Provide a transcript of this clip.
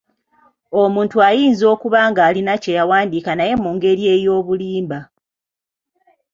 Omuntu ayinza okuba ng’alina kye yawandiikako naye mu ngeri ey’obulimba.